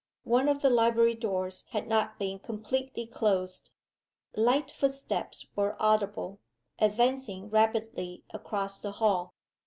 One of the library doors had not been completely closed. Light footsteps were audible, advancing rapidly across the hall.